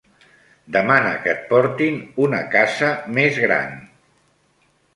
Demana que et portin una casa més gran?